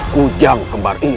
kujang kembar ipa